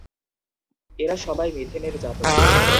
এরা সবাই মিথেনের জাতক।